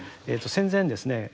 戦前ですね